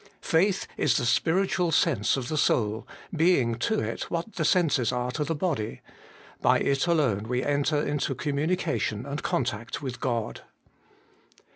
Faith is the spiritual sense of the soul, being to it what the senses are to the body; by it alone we enter into communication and contact with God.